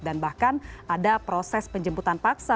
dan bahkan ada proses penjemputan paksa